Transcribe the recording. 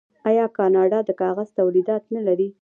آیا کاناډا د کاغذ تولیدات نلري؟